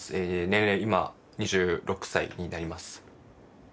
年齢今２６歳になります。